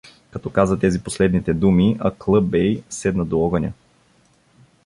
Като каза тези последните думи, Аклъ бей седна до огъня.